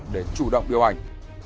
để chủ động điều hành